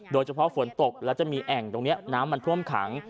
โดยเฉพาะฝนตกแล้วจะมีแอ่งตรงนี้น้ำมันท่วมขัง